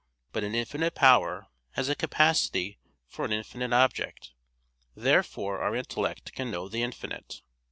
But an infinite power has a capacity for an infinite object. Therefore our intellect can know the infinite.